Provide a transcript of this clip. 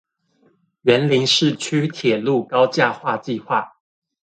員林市區鐵路高架化計畫